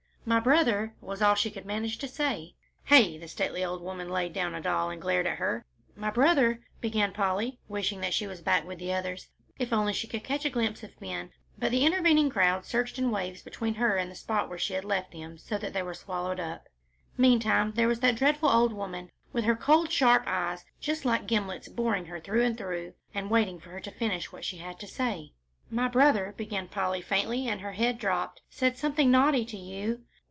"My brother," was all she could manage to say. "Hey?" The stately old woman laid down a doll and glared at her. "My brother," began Polly, wishing that she was back with the others. If only she could catch a glimpse of Ben, but the intervening crowd surged in waves between her and the spot where she had left them, so that they were swallowed up. Meantime there was that dreadful old woman, with her cold, sharp eyes just like gimlets boring her through and through, and waiting for her to finish what she had to say. "My brother," began Polly, faintly, and her head dropped, "said something naughty to you."